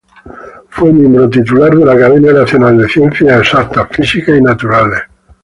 Fue miembro titular de la Academia Nacional de Ciencias Exactas, Físicas y Naturales.